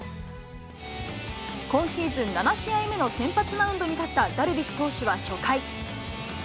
今シーズン７試合目の先発マウンドに立ったダルビッシュ投手は初回。